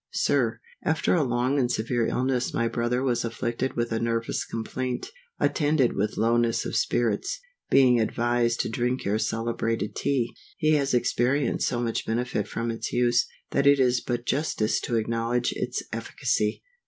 SIR, AFTER a long and severe illness my brother was afflicted with a nervous complaint, attended with lowness of spirits; being advised to drink your celebrated Tea, he has experienced so much benefit from its use, that it is but justice to acknowledge its efficacy.